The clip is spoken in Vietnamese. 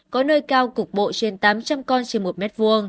có nơi cao cục bộ trên tám trăm linh con trên một m hai